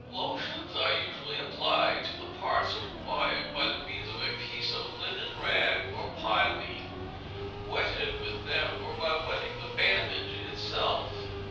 Lotions are usually applied to the parts required by means of a piece of linen rag or piline, wetted with them, or by wetting the bandage itself.